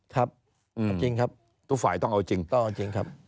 ครับเอาจริงครับทุกฝ่ายต้องเอาจริงต้องเอาจริงครับ